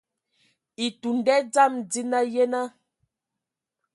Etun nda dzam dzina, yenə.